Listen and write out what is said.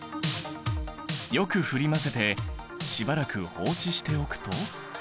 よく振り混ぜてしばらく放置しておくと。